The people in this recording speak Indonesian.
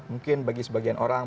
mungkin bagi sebagian orang